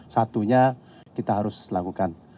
satunya kita harus lakukan